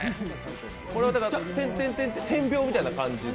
これは点点点と点描みたいな感じで？